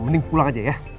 mending pulang aja ya